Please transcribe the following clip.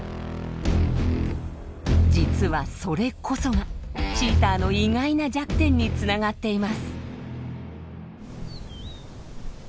実はそれこそがチーターの意外な弱点につながっています。